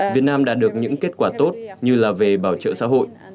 việt nam đã được những kết quả tốt như là về bảo trợ xã hội